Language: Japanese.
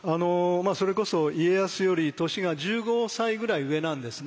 それこそ家康より年が１５歳ぐらい上なんですね。